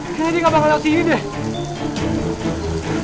kayaknya dia gak bakal lewat sini deh